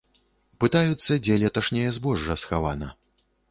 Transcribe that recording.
Пытаюцца, дзе леташняе збожжа схавана.